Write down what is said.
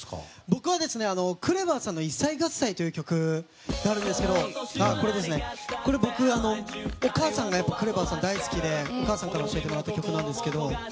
僕は、ＫＲＥＶＡさんの「イッサイガッサイ」という曲があるんですけどこれ、お母さんがＫＲＥＶＡさんが大好きでお母さんから教えてもらった曲なんですけど